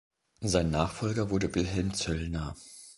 Sein Nachfolger wurde Wilhelm Zoellner.